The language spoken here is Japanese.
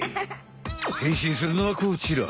変身するのはこちら。